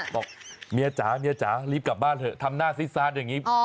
บอกเมียจ๋าเมียจ๋ารีบกลับบ้านเถอะทำหน้าซิซาดอย่างนี้